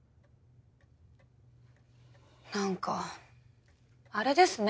なんかあれですね。